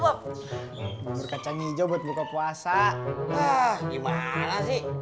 bubur kacang hijau buat buka puasa ah gimana sih